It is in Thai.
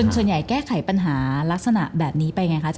ส่วนใหญ่แก้ไขปัญหาลักษณะแบบนี้ไปไงคะอาจา